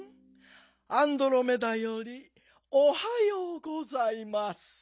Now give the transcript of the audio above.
アンドロメダよりおはようございます。